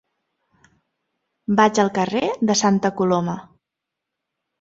Vaig al carrer de Santa Coloma.